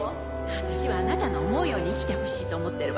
私はあなたの思うように生きてほしいと思ってるわ。